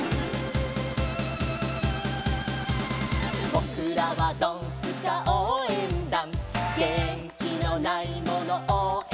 「ぼくらはドンスカおうえんだん」「げんきのないものおうえんだ！！」